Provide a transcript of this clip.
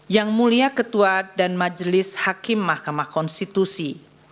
yang mulia ketua dan majelis hakim mahkamah konstitusi